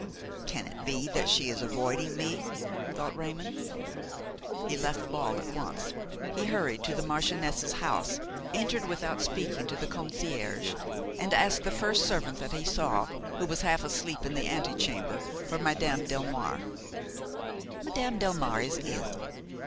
"Can it be that she is avoiding me?" thought Raymon. He left the ball at once. He hurried to the marchioness's house, entered without speaking to the concierge, and asked the first servant that he saw, who was half asleep in the antechamber, for Madame Delmare. "Madame Delmare is ill."